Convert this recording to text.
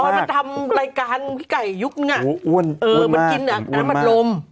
ตอนมันทำรายการพี่ไก่ยุคนึงอ่ะอ้วนมากอ้วนมากมันกินน้ำอัดลม